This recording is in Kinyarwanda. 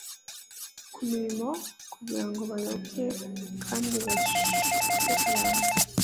ku mirimo kugira ngo bayobye kandi bashuke abantu,